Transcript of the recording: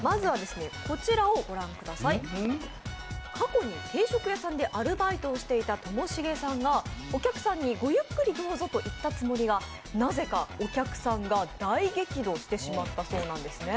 過去に定食屋さんでアルバイトをしていたともしげさんが、お客さんに「ごゆっくりどうぞ」と言ったつもりがなぜかお客さんが大激怒してしまったそうなんです。